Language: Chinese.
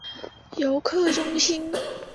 游客中心